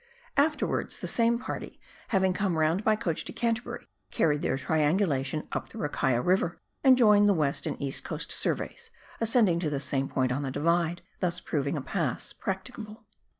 Afterwards the same party, having come round by coach to Canterbury, carried their triangulation up the Rakaia River, and joined the West and East Coast Surveys, ascending to the same point on the Divide, thus proving a pass practicable.